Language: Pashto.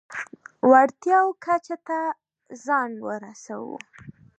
وړتیاوو کچه ته ځان ورسوو.